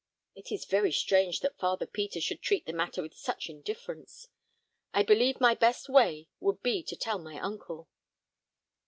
It is very strange that Father Peter should treat the matter with such indifference. I believe my best way would be to tell my uncle."